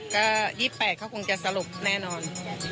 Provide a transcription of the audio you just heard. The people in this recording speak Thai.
๒๘เขาก็คงจะสรบแน่นอน